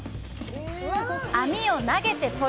網を投げて取る！